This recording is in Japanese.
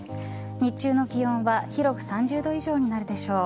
日中の気温は広く３０度以上になるでしょう。